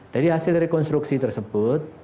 dari hasil rekonstruksi tersebut